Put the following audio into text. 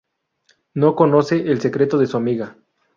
No conoce el secreto de su amiga.